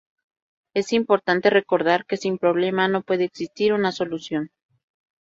Es importante recordar que "sin problema no puede existir una solución".